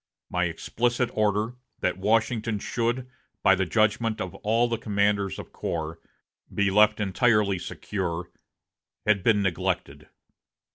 My explicit order that Washington should, by the judgment of all the commanders of corps, be left entirely secure, had been neglected.